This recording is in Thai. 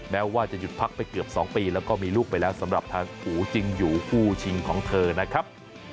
แม้ว่าจะหยุดพักไปเกือบ๒ปีแล้วก็มีลูกไปแล้วสำหรับทางอู๋จิงอยู่คู่ชิงของเธอนะครับ